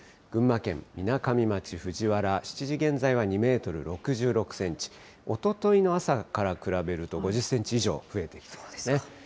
群馬県みなかみ町藤原、７時現在は２メートル６６センチ、おとといの朝から比べると５０センチ以上増えてきていますね。